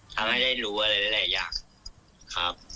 ทำให้ได้รู้อะไรหลายอย่างครับ